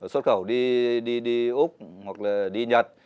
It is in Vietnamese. xuất khẩu đi úc hoặc là đi nhật